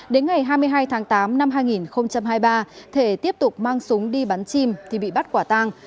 đến ngày hai mươi hai tháng tám năm hai nghìn hai mươi ba thể tiếp tục mang súng đi bắn chim thì bị bắt quả tang